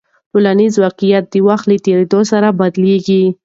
ټولنیز واقیعت د وخت له تېرېدو سره بدلېږي.